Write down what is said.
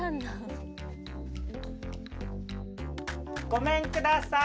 ごめんください！